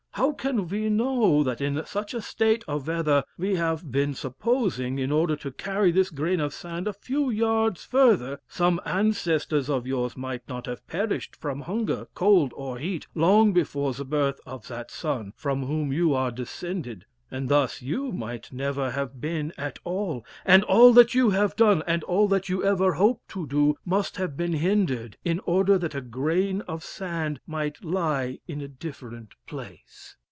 How can we know that in such a state of weather we have been supposing, in order to carry this grain of sand a few yards further, some ancestors of yours might not have perished from hunger, cold, or heat, long before the birth of that son from whom you are descended, and thus you might never have been at all, and all that you have done, and all that you ever hope to do, must have been hindered, in order that a grain of sand might lie in a different place."